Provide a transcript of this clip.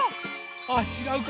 あちがうか。